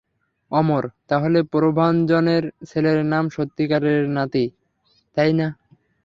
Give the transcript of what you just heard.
অমর, তাহলে প্রভাঞ্জনের ছেলে তার সত্যিকারের নাতি, তাই না?